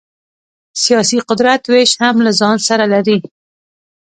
سیاسي قدرت وېش هم له ځان سره لري.